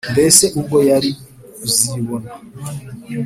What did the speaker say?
mbese ubwo yari kuzibona?